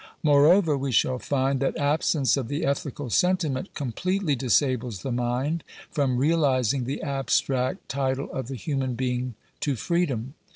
Moreover, we shall find, that absence of the ethical sentiment completely disables the mind from realiz ing the abstract title of the human being to freedom.